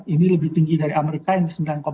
ini lebih tinggi dari amerika yang sembilan enam